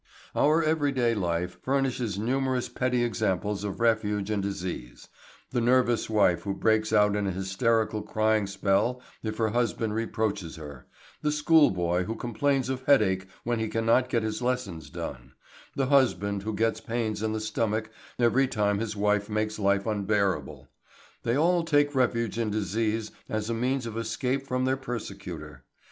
Our everyday life furnishes numerous petty examples of refuge in disease: the nervous wife who breaks out in a hysterical crying spell if her husband reproaches her; the schoolboy who complains of headache when he cannot get his lessons done; the husband who gets pains in the stomach every time his wife makes life unbearable; they all take refuge in disease as a means of escape from their persecutor.